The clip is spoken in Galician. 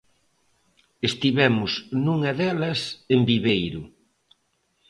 Estivemos nunha delas en Viveiro.